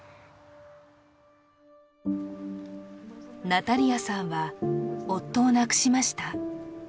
ナタリアさんは夫を亡くしました